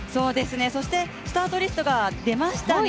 そしてスタートリストが出ましたね。